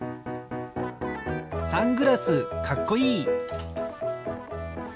サングラスかっこいい！